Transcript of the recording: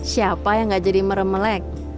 siapa yang tidak jadi meremelek